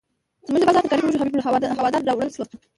زموږ د بازار ترکاري فروش حبیب حوالدار راولاړ شو.